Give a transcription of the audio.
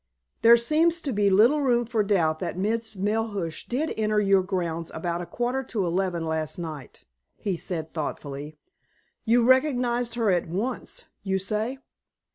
"There seems to be little room for doubt that Miss Melhuish did enter your grounds about a quarter to eleven last night," he said thoughtfully. "You recognized her at once, you say?"